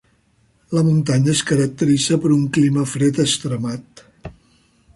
La muntanya es caracteritza per un clima fred extremat.